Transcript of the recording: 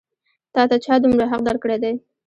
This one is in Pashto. تا ته چا دومره حق درکړی دی؟